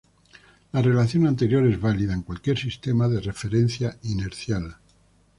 La relación anterior es válida en cualquier sistema de referencia inercial.